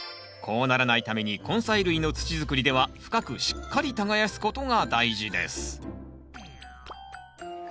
こうならないために根菜類の土づくりでは深くしっかり耕すことが大事です